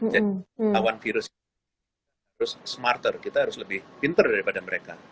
jadi lawan virus itu harus smarter kita harus lebih pinter daripada mereka